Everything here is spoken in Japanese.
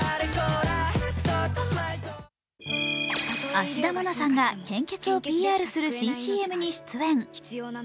芦田愛菜さんが献血をＰＲする新ＣＭに出演。